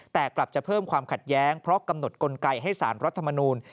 แต่กลับจะเพิ่มความขัดแย้งเพราะกำหนดกลไกให้สารรัฐมนูล